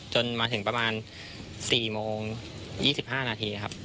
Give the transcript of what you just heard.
จนมาถึงประมาณ๔โมง๒๕นาทีครับ